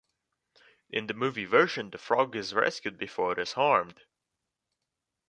In the movie version the frog is rescued before it is harmed.